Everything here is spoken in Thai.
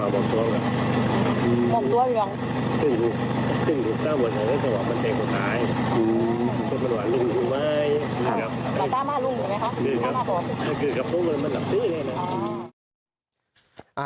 พอฟังคือกับผู้เมืองมันแหลมตรีนี้เลยนะ